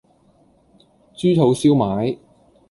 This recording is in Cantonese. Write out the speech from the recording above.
豬肚燒賣